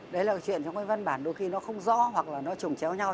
đấy là chuyện trong cái văn bản đôi khi nó không rõ hoặc là nó trồng chéo nhau